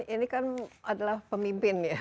ini kan adalah pemimpin ya